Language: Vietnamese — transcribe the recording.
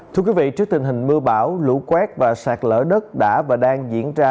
thưa quý vị trước tình hình mưa bão lũ quét và sạt lỡ đất đã và đang diễn ra